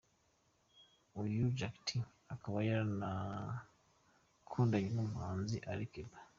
Uyu Jokate akaba yaranakundanye n’umuhanzi Ali Kiba.